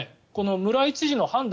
村井知事の判断